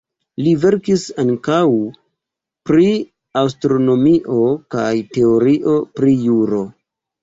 Li verkis ankaŭ pri astronomio kaj teorio pri juro.